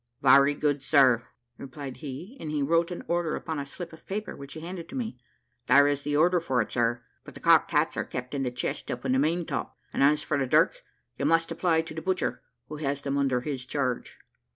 "Very good, sir," replied he, and he wrote an order upon a slip of paper, which he handed to me. "There is the order for it, sir; but the cocked hats are kept in the chest up in the main top, and as for the dirk, you must apply to the butcher, who has them under his charge."